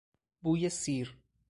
بوی سیر